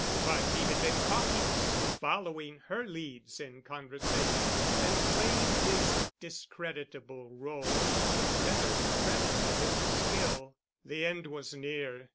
But he had been cautious, following her leads in conversation, and playing his discreditable role with rather creditable skill. The end was near.